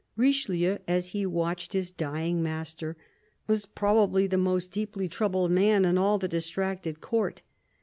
Richelieu, as he watched his dying master, was probably the most deeply troubled man in all the distracted Court.